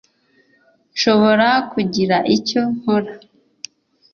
nshobora kugira icyo nkora